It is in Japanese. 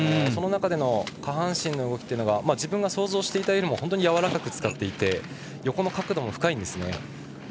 その中での下半身の動きが自分が想像していたよりも本当にやわらかく使っていて横の角度も深いんですね。